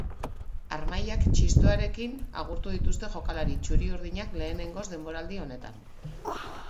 Harmailak txistuarekin agurtu dituzte jokalari txuri-urdinak lehenengoz denboraldi honetan.